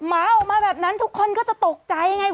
หมาออกมาแบบนั้นทุกคนก็จะตกใจไง